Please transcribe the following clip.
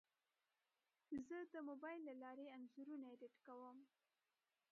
زه د موبایل له لارې انځورونه ایډیټ کوم.